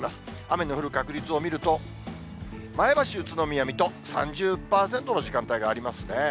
雨の降る確率を見ると、前橋、宇都宮、水戸３０％の時間帯がありますね。